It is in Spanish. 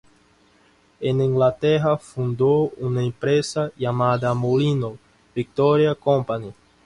En Inglaterra fundó una empresa llamada Molino Victoria Company.